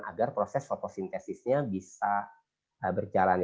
agar proses fotosintesisnya bisa berjalan